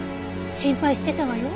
心配してたわよ。